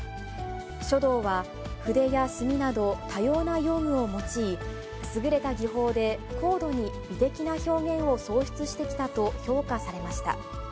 書道は、筆や墨など多様な用具を用い、優れた技法で高度に美的な表現を創出してきたと評価されました。